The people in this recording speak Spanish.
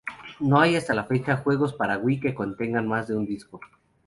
No hay, hasta la fecha, juegos para Wii que contengan más de un disco.